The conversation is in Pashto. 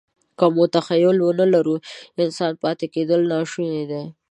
که موږ تخیل ونهلرو، انسان پاتې کېدل ناشوني دي.